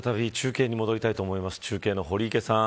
ここで再び中継に戻りたいと思います。